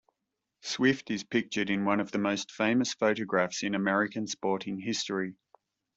Swift is pictured in one of the most famous photographs in American sporting history.